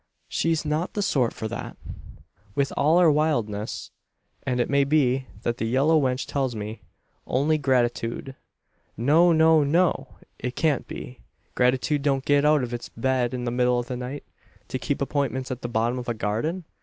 She's not the sort for that, with all her wildness; and it may be what that yellow wench tells me only gratitude. No, no, no! It can't be. Gratitude don't get out of its bed in the middle of the night to keep appointments at the bottom of a garden?